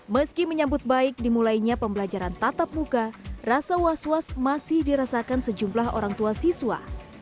meski menyambut baik dimulainya pembelajaran tatap muka rasa was was masih dirasakan sejumlah orang tua siswa